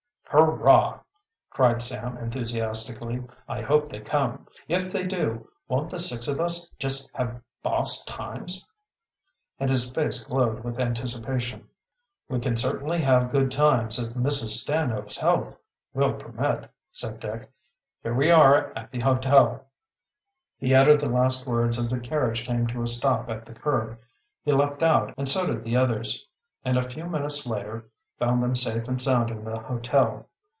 "Hurrah!" cried Sam enthusiastically. "I hope they come. If they do, won't the six of us just have boss times!" And his face glowed with anticipation. "We can certainly have good times if Mrs. Stanhope's health will permit," said Dick. "Here we are at the hotel." He uttered the last words as the carriage came to a stop at the curb. He leaped out and so did the others; and a few minutes later found them safe and sound in the hotel.